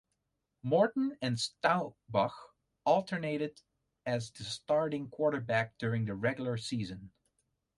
Morton and Staubach alternated as the starting quarterback during the regular season.